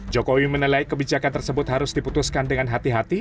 jokowi menilai kebijakan tersebut harus diputuskan dengan hati hati